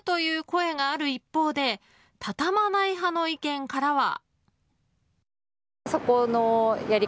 声がある一方で畳まない派の意見からは。